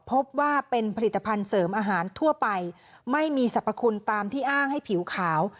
พบว่าเป็นผลิตภัณฑ์เสริมอาหารทั่วไปไม่มีสรรพคุณตามที่อ้างให้ผิวขาว